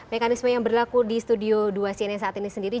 mekanisme yang berlaku di studio dua cnn saat ini sendiri